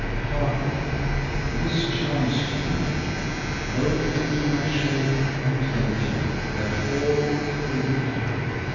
"Hearken, this chanced to me. Though it be to my shame I tell it you that all may be clear.